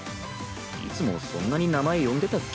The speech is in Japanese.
いつもそんなに名前呼んでたっけ？